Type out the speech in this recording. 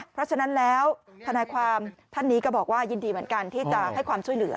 เพราะฉะนั้นแล้วทนายความท่านนี้ก็บอกว่ายินดีเหมือนกันที่จะให้ความช่วยเหลือ